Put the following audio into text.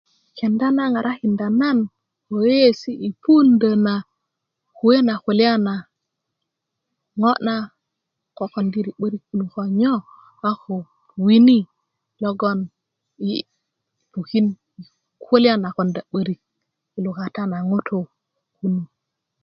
Kenda na ŋarakinda nan lo yeyiyesi i puundo na kuwe na kulya na ŋo na kokondiri 'borik ko nyo a ko wini logon yi pukin i kulya na konda 'borik i lukata na ŋutu